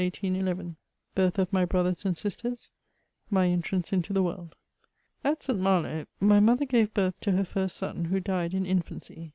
BIRTH OF MY BROTHERS AND BI8TBR8 — MT BNTRANCB INTO THB WORLD. At St. Malo, my mother gave birth to her first son, who died in infancy.